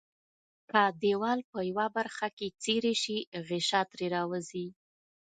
که دیوال په یوه برخه کې څیري شي غشا ترې راوځي.